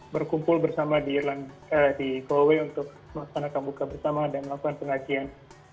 berkumpul bersama di golway untuk melaksanakan buka bersama dan melakukan pengajian